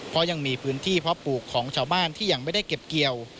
เพราะยังมีพื้นที่เพาะปลูกของชาวบ้านที่ยังไม่ได้เก็บเกี่ยว